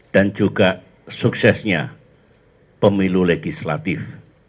dan juga suksesnya pemilu legislatif